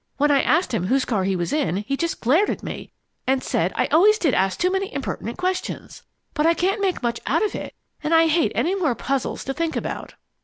When I asked him whose car he was in, he just glared at me and said I always did ask too many impertinent questions! But I can't make much out of it, and I hate any more puzzles to think about."